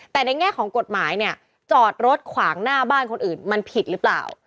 แต่ในแง่ของกฎหมายเนี่ยจอดรถขวางหน้าบ้านคนอื่นมันผิดหรือเปล่า